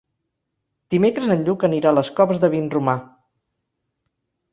Dimecres en Lluc anirà a les Coves de Vinromà.